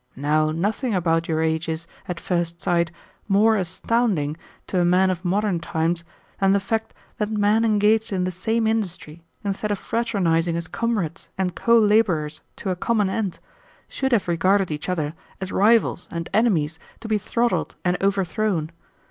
Now nothing about your age is, at first sight, more astounding to a man of modern times than the fact that men engaged in the same industry, instead of fraternizing as comrades and co laborers to a common end, should have regarded each other as rivals and enemies to be throttled and overthrown.